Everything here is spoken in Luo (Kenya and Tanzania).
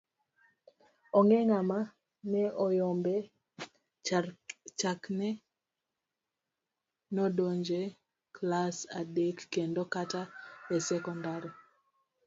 Onge ng'ama ne oyombe chakre nodonj e klas adek kendo kata e sekondar.